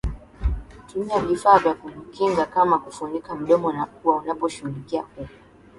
Tumia vifaa vya kujikinga kama kufunika mdoma na pua unaposhughulikia kuku